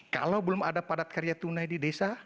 kalau belum ada padat karya tunai di desa